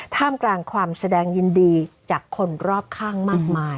ท่ามกลางความแสดงยินดีจากคนรอบข้างมากมาย